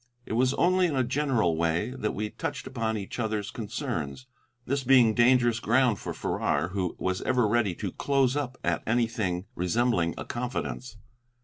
It was only in a general way that we touched upon each other's concerns, this being dangerous ground with Farrar, who was ever ready to close up at anything resembling a confidence.